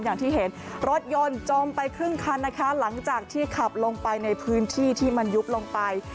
อย่างที่เห็นรถยนต์จมไปครึ่งคันนะคะหลังจากที่ขับลงไปในพื้นที่ที่มันยุบลงไป